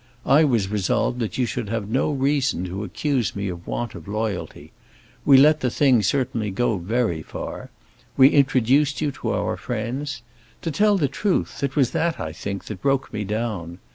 I was resolved that you should have no reason to accuse me of want of loyalty. We let the thing certainly go very far; we introduced you to our friends. To tell the truth, it was that, I think, that broke me down.